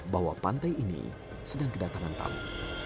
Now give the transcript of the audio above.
bahwa pantai ini sedang kedatangan tamu